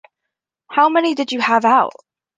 How many did you have out?